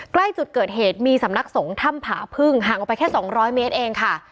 ใกล้จุดเกิดเหตุมีสำนักสงฆ์ถ้ำผาพึ่งห่างออกไปแค่๒๐๐เมตรเองค่ะ